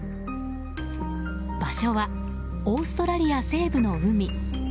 場所は、オーストラリア西部の海。